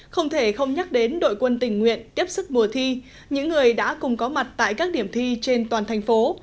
không thể không nhắc đến đội quân tình nguyện tiếp sức mùa thi những người đã cùng có mặt tại các điểm thi trên toàn thành phố